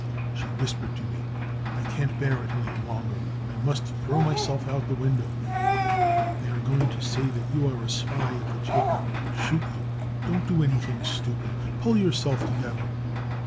She whispered to me : 4 1 can't bear it any longer : I must throw myself out of the window ! They are going to say that you are a spy of the Cheka and shobt you ! 5 4 Don't do anything stupid, pull yourself together